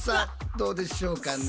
どうでしょうかね？